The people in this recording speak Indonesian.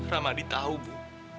ramadi tau bu